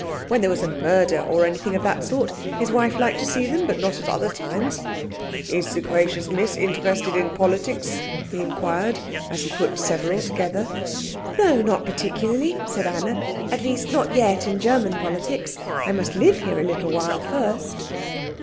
When there was a murder, or anything of that sort, his wife liked to see them, but not at other times. "Is the gracious Miss interested in politics?" he inquired, as he put several together. "No, not particularly," said Anna; "at least, not yet in German politics. I must live here a little while first."